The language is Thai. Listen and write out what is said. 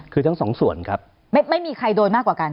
คือทั้งสองส่วนครับไม่มีใครโดนมากกว่ากัน